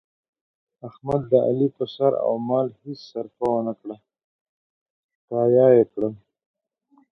احمد د علي په سر او مال هېڅ سرفه ونه کړه، تیاه یې کړ.